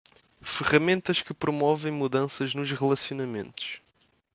Ferramentas que promovem mudanças nos relacionamentos.